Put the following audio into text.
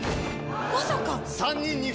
まさか！